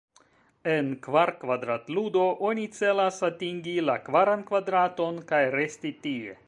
En Kvar-kvadrat-ludo, oni celas atingi la kvaran kvadraton, kaj resti tie.